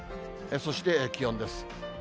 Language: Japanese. そして気温です。